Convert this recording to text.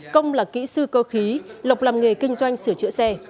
công là kỹ sư cơ khí lộc làm nghề kinh doanh sửa chữa xe